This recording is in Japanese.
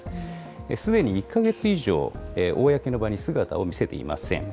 すでに１か月以上、公の場に姿を見せていません。